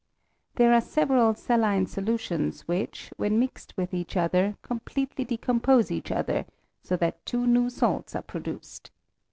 There are several saline solu tions which, when mixed with each other, completely decompose each other, so that two new salts are produced.